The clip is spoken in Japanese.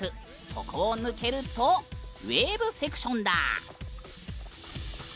そこを抜けるとウェーブセクションだ。